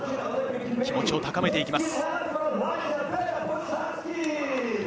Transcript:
気持ちを高めていきます。